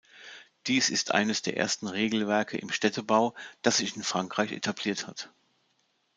Dies ist eines der ersten Regelwerke im Städtebau, das sich in Frankreich etabliert hat.